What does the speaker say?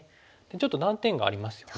ちょっと断点がありますよね。